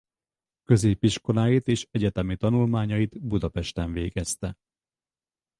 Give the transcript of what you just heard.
Középiskoláit és egyetemi tanulmányait Budapesten végezte.